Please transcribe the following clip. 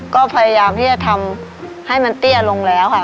ก็พยายามที่จะทำให้มันเตี้ยลงแล้วค่ะ